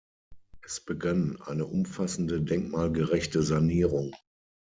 Es begann eine umfassende denkmalgerechte Sanierung.